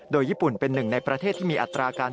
โดยญี่ปุ่นเป็นหนึ่งในประเทศที่มีอัตราการ